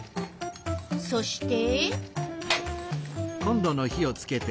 そして。